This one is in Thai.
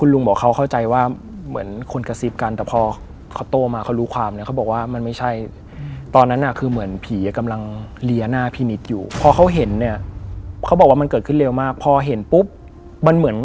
แล้วก็มีคุณแม่บอม